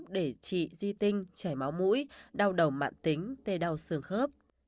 để trị di tinh chảy máu mũi đau đầu mạng tính tê đau xương khớp